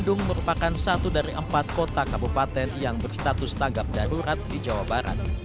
bandung merupakan satu dari empat kota kabupaten yang berstatus tanggap darurat di jawa barat